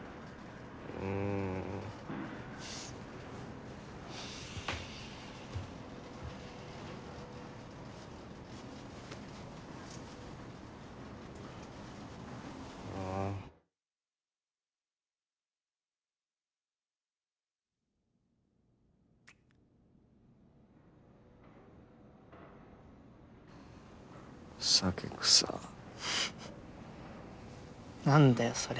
うんうん酒臭なんだよそれ